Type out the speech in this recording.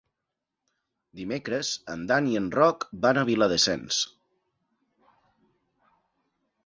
Dimecres en Dan i en Roc van a Viladasens.